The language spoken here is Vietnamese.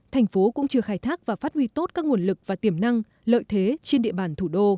thành phố cũng chưa khai thác và phát huy tốt các nguồn lực và tiềm năng lợi thế trên địa bàn thủ đô